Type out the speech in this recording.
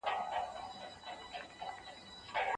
تاسي په پښتو کي د مرکو او خبرو اترو مهارت لرئ؟